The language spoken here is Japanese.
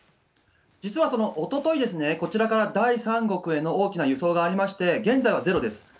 実はおととい、こちらから第三国への大きな輸送がありまして、現在はゼロです。